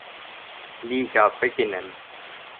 Liga beginnen.